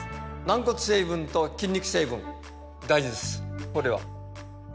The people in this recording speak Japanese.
軟骨成分と筋肉成分大事です